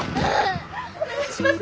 お願いします！